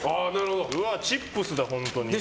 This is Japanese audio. チップスだ、本当に。